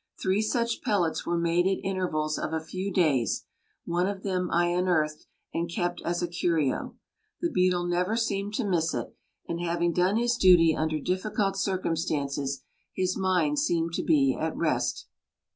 Three such pellets were made at intervals of a few days; one of them I unearthed and kept as a curio. The beetle never seemed to miss it, and having done his duty under difficult circumstances, his mind seemed to be at rest.